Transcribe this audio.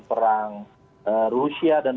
perang rusia dan